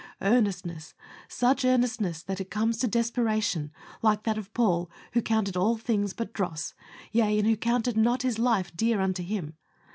Earnestness such earnestness that it comes to desperation like that of Paul, who counted all things but dross; yea, and who counted not his life dear unto him.